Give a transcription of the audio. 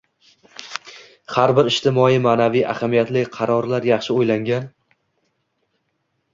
har bir ijtimoiy-ma’naviy ahamiyatli qarorlar yaxshi o‘ylangan